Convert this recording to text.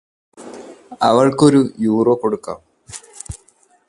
അവൾക്ക് ഒരു യൂറോ കൊടുക്കാം